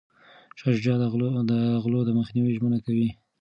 شاه شجاع د غلو د مخنیوي ژمنه کوي.